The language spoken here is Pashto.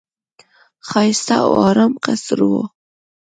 ښایسته او آرام قصر وو.